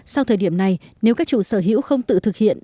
sau thời điểm này nếu các chủ sở hữu không tự thực hiện